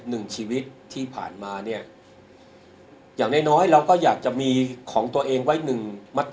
หนึ่งชีวิตที่ผ่านมาเนี่ยอย่างน้อยน้อยเราก็อยากจะมีของตัวเองไว้หนึ่งมติ